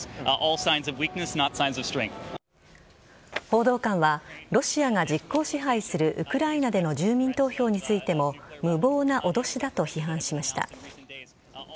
報道官はロシアが実効支配するウクライナでの住民投票についても無謀な脅しだと批判しました。